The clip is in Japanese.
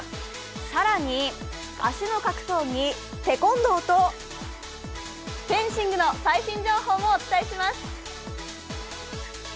更に足の格闘技、テコンドーとフェンシングの最新情報もお伝えします。